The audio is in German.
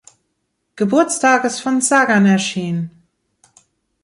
Geburtstages von Sagan erschien.